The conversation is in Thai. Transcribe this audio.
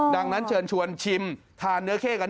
ดังนั้นเชิญชวนชิมทานเนื้อเข้กัน